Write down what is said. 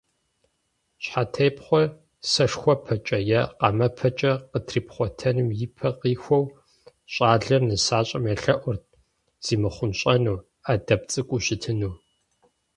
Щхьэтепхъуэр сэшхуэпэкӀэ е къамэпэкӀэ къытрипхъуэтыным ипэ къихуэу, щӀалэр нысащӀэм елъэӀурт, зимыхъунщӀэну, Ӏэдэб цӀыкӀуу щытыну.